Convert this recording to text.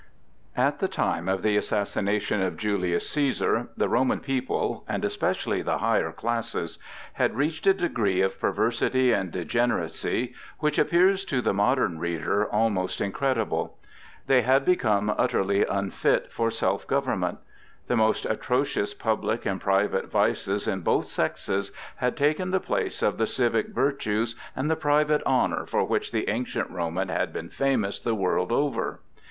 AT the time of the assassination of Julius Cæsar, the Roman people, and especially the higher classes, had reached a degree of perversity and degeneracy which appears to the modern reader almost incredible. They had become utterly unfit for self government. The most atrocious public and private vices in both sexes had taken the place of the civic virtues and the private honor for which the ancient Roman had been famous the world over.